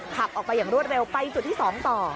ขับออกไปอย่างรวดเร็วไปจุดที่๒ต่อ